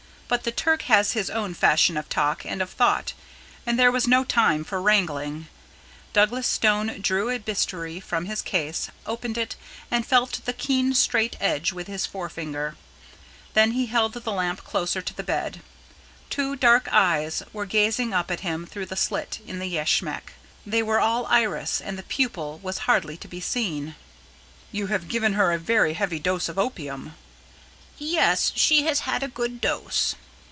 But the Turk has his own fashion of talk and of thought, and there was no time for wrangling. Douglas Stone drew a bistoury from his case, opened it and felt the keen straight edge with his forefinger. Then he held the lamp closer to the bed. Two dark eyes were gazing up at him through the slit in the yashmak. They were all iris, and the pupil was hardly to be seen. "You have given her a very heavy dose of opium." "Yes, she has had a good dose."